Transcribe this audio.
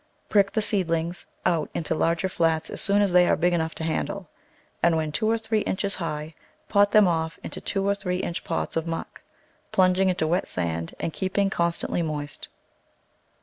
Prick the seedlings out into larger flats as soon as they are big enough to handle, and when two or three inches high pot them off into two or three inch pots of muck, plunging into wet sand and keeping constantly moist.